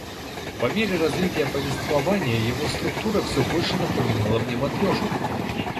По мере развития повествования его структура все больше напоминала мне матрешку